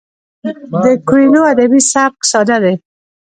د کویلیو ادبي سبک ساده دی.